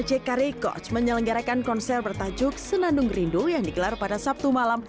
jk records menyelenggarakan konser bertajuk senandung rindu yang digelar pada sabtu malam